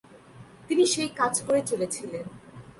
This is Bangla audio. তিনি সেই কাজ করে চলেছিলেন।